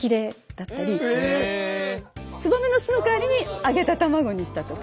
燕の巣の代わりに揚げた卵にしたとか。